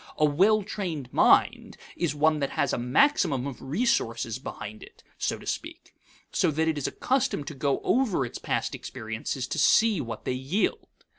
A well trained mind is one that has a maximum of resources behind it, so to speak, and that is accustomed to go over its past experiences to see what they yield.